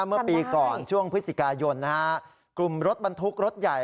เมื่อปีก่อนช่วงพฤศจิกายนกลุ่มรถบรรทุกรถใหญ่